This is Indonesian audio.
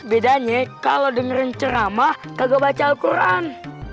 bedanya kalau dengerin ceramah kagak baca alquran